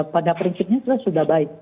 pada prinsipnya sudah baik